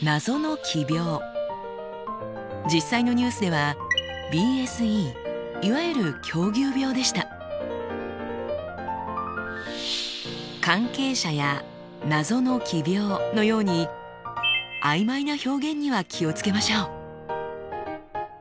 実際のニュースでは「関係者」や「謎の奇病」のようにあいまいな表現には気をつけましょう。